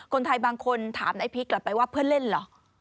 คนไทยบางคนถามไอ้พีคกลับไปว่าเพื่อนเล่นเหรอ